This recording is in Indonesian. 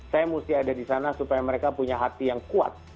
saya mesti ada di sana supaya mereka punya hati yang kuat